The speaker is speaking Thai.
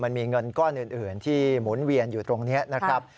มันมีเงินก้อนอื่นที่หมุนเวียนอยู่ตรงนี้นะครับ